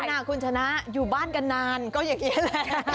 นะคุณชนะอยู่บ้านกันนานก็อย่างนี้แหละค่ะ